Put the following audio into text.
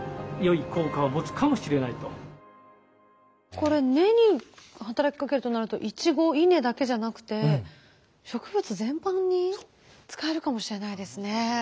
これ根に働きかけるとなるとイチゴイネだけじゃなくて植物全般に使えるかもしれないですね。